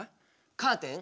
カーテン。